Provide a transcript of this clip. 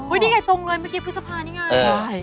นี่ไงทรงเลยเมื่อกี้พฤษภานี่ไง